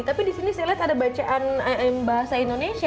tapi di sini saya lihat ada bacaan bahasa indonesia